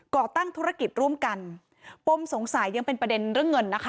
ก่อตั้งธุรกิจร่วมกันปมสงสัยยังเป็นประเด็นเรื่องเงินนะคะ